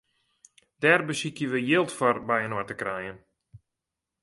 Dêr besykje we jild foar byinoar te krijen.